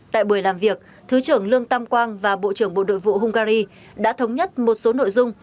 tại buổi làm việc thứ trưởng lương tam quang và bộ trưởng bộ nội vụ hungary đã thống nhất một số nội dung